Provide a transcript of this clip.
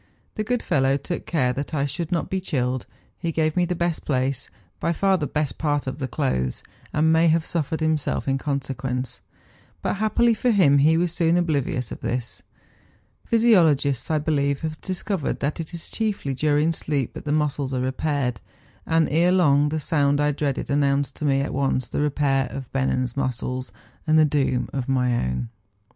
The good fellow took care that I should not be chilled; he gave me the best place, by far the best part of the clothes, and may have suffered himself in con¬ sequence ; but happily for him he was soon oblivious of this. Physiologists, I believe, have discovered that it is chiefly during sleep that the muscles are repaired; and ere long the sound I dreaded an¬ nounced to me at once the repair of Bennen's muscles and the doom of my own.